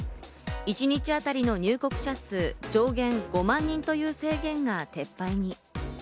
一日あたりの入国者数上限５万人という制限が撤廃に。